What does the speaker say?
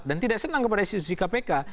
dan tidak senang kepada institusi kpk